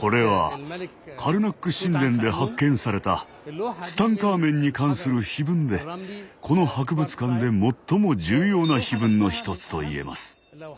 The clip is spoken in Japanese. これはカルナック神殿で発見されたツタンカーメンに関する碑文でこの博物館で最も重要な碑文の一つと言えます。